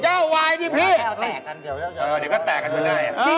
แก้วไวน์ดีพี่